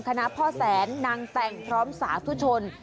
พ่อแสนนางแต่งพร้อมสาธุชน